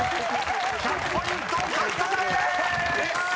［１００ポイント獲得でーす！］